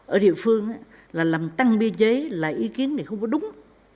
ở địa phương là làm tăng biên chế là ý kiến này không có đúng